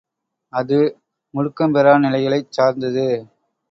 அது முடுக்கம்பெறாநிலைகளைச் சார்ந்தது.